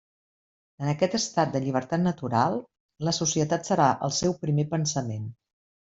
En aquest estat de llibertat natural, la societat serà el seu primer pensament.